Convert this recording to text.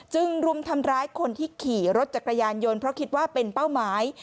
รุมทำร้ายคนที่ขี่รถจักรยานยนต์เพราะคิดว่าเป็นเป้าหมาย